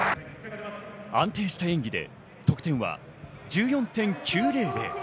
安定した演技で得点は１４．９００。